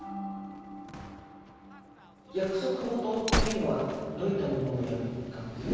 約束事っていうのはどういったものを破ったんですか？